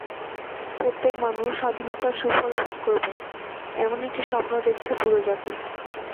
প্রত্যেক মানুষ স্বাধীনতার সুফল ভোগ করবে এমন একটি স্বপ্ন দেখেছে পুরো জাতি।